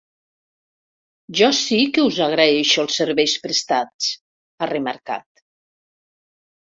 Jo sí que us agraeixo els serveis prestats, ha remarcat.